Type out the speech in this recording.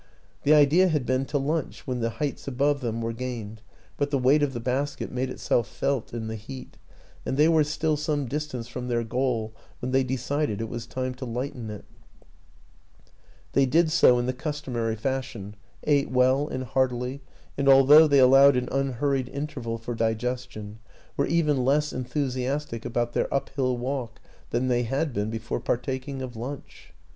The idea had been to lunch when the heights above them were gained; but the weight of the basket made itself felt in the heat, and they were still some distance from their goal when they decided it was time to lighten it. They did so in the cus tomary fashion, ate well and heartily, and al though they allowed an unhurried interval for digestion were even less enthusiastic about their uphill walk than they had been before partaking of lunch.